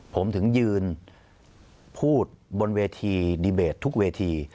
ผมถึงยืนพูดบนเวทีดีเบตทุกเวที